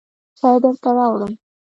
چای درته راوړم.